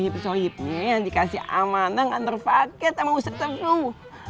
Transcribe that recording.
kenapa sohib sohibnya yang dikasih amanah mengantar paket sama ustadz sepuh